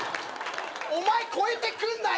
お前超えてくんなよ！